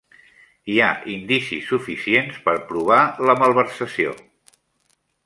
Hi ha indicis suficients per provar la malversació